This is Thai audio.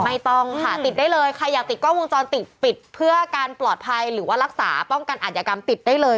ไม่ต้องค่ะติดได้เลยใครอยากติดกล้องวงจรปิดปิดเพื่อการปลอดภัยหรือว่ารักษาป้องกันอัธยกรรมติดได้เลย